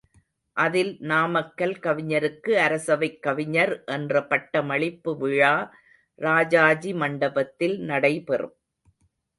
அதில் நாமக்கல் கவிஞருக்கு அரசவைக் கவிஞர் என்ற பட்டமளிப்பு விழா ராஜாஜி மண்டபத்தில் நடைபெறும்.